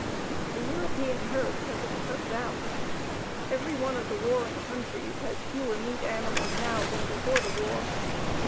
The European herds have been cut down. Every one of the warring countries has fewer meat animals now than before the war.